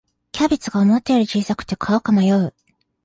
キャベツが思ったより小さくて買うか迷う